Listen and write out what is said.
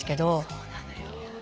そうなのよ。